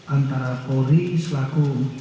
antara polri selaku